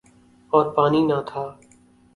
اور پانی نہ تھا۔